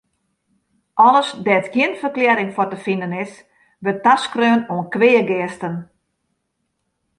Alles dêr't gjin ferklearring foar te finen is, wurdt taskreaun oan kweageasten.